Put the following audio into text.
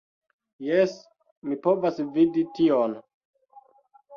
Jes, mi povas vidi tion